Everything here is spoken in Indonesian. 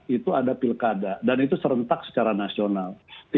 itu ada pilkada dan itu serentak secara nasional